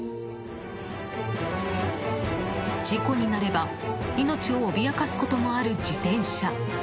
事故になれば命を脅かすこともある自転車。